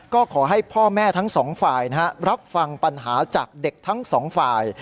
ก็ขอให้พ่อแม่ทั้งสองฝ่ายรับฟังปัญหาจากเด็กทั้งสองฝ่าย